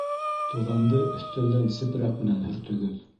Туҙанды өҫтәлдән сепрәк менән һөртөгөҙ